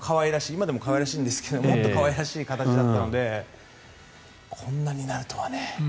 今でも可愛らしいんですが可愛らしい形だったのでこんなになるとはね。